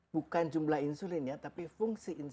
bukan jumlah insulin ya tapi fungsi insulin